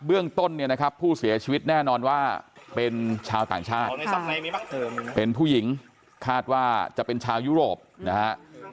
เรื่องต้นเนี่ยนะครับผู้เสียชีวิตแน่นอนว่าเป็นชาวต่างชาติเป็นผู้หญิงคาดว่าจะเป็นชาวยุโรปนะฮะ